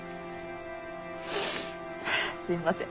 すいません